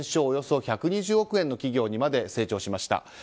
およそ１２０億円の企業までに成長しました。